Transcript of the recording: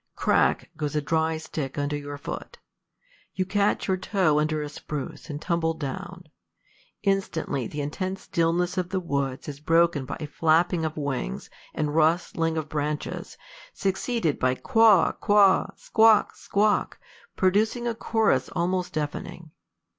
Crack goes a dry stick under your foot; you catch your toe under a spruce root, and tumble down; instantly the intense stillness of the woods is broken by a flapping of wings and rustling of branches, succeeded by quaw, quaw, squawk, squawk, producing a chorus almost deafening.